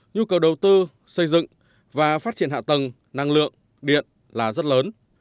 nhu cầu đầu tư xây dựng và phát triển hạ tầng năng lượng điện là rất lớn